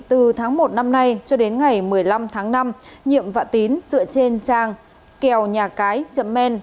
từ tháng một năm nay cho đến ngày một mươi năm tháng năm nhiệm vạn tín dựa trên trang kèo nhà cái chấm men